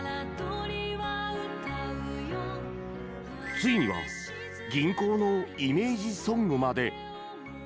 ついには銀行のイメージソングまで。